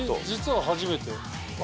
実は初めて。